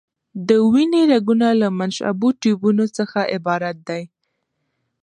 د وینې رګونه له منشعبو ټیوبونو څخه عبارت دي.